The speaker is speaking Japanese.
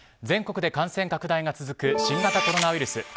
全国で感染拡大が続く新型コロナウイルス。